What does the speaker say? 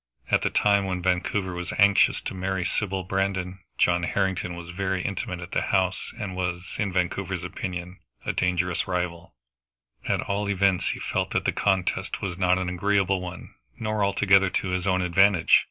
At the time when Vancouver was anxious to marry Sybil Brandon, John Harrington was very intimate at the house, and was, in Vancouver's opinion, a dangerous rival; at all events he felt that the contest was not an agreeable one, nor altogether to his own advantage.